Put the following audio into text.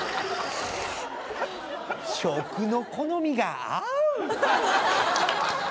食の好みが合う！